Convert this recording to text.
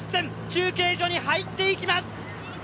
中継所に入っていきます！